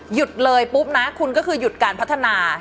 หยุดเลยปุ๊บนะคุณก็คือหยุดการพัฒนา